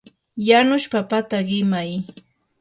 yanush papata qimay.